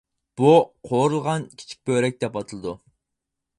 بۇ «قورۇلغان كىچىك بۆرەك» دەپ ئاتىلىدۇ.